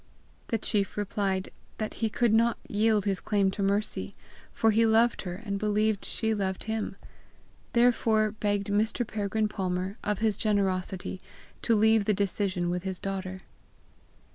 The chief replied that he could not yield his claim to Mercy, for he loved her, and believed she loved him; therefore begged Mr. Peregrine Palmer, of his generosity, to leave the decision with his daughter.